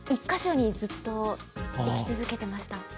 １か所にずっと行き続けてました。